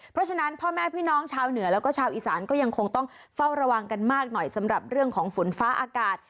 เพราะฉะนั้นพ่อแม่พี่น้องชาวเหนือแล้วก็ชาวอีสานก็ยังคงต้องเฝ้าระวังกันมากหน่อยสำหรับเรื่องของฝนฟ้าอากาศ